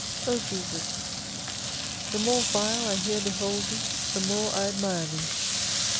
O Jesus, the more vile I here behold Thee, the more I admire Thee.